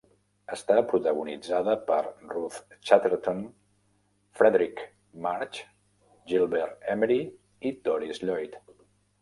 Està protagonitzada per Ruth Chatterton, Fredric March, Gilbert Emery i Doris Lloyd.